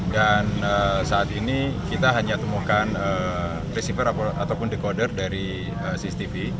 dan saat ini kita hanya temukan receiver ataupun dekoder dari cctv